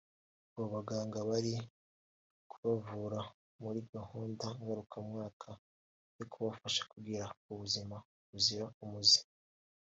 Abo baganga bari kubavura muri gahunda ngarukamwaka yo kubafasha kugira ubuzima buzira umuze